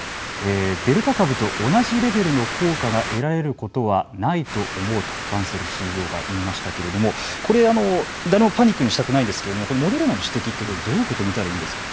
デルタ株と同じレベルの効果が得られることはないと思うとバンセルＣＥＯが言いましたけれどもこれ誰もパニックにしたくないんですけれどもモデルナの指摘はどう受け止めたらいいんですか。